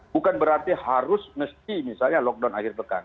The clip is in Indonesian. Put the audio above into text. bukan berarti harus mesti misalnya lockdown akhir pekan